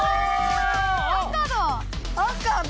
赤だ！